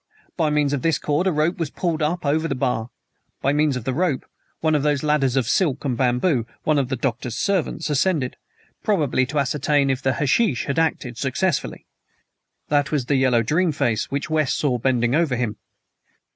By means of this cord a rope was pulled up over the bar, by means of the rope one of those ladders of silk and bamboo. One of the Doctor's servants ascended probably to ascertain if the hashish had acted successfully. That was the yellow dream face which West saw bending over him.